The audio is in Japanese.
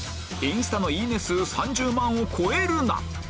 インスタのいいね数３０万を超えるな！